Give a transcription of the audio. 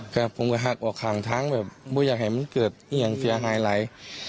แต่ผมก็หักออกข้างทางแบบไม่อยากให้มันเกิดอย่างเสียหายหลาย